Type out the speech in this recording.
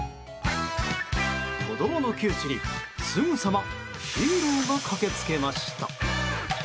子供の窮地に、すぐさまヒーローが駆けつけました。